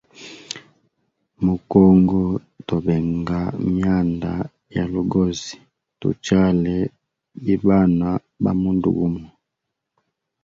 Mu congo to benga myanda ya lugozi tu chale bi bana ba mundu gumo.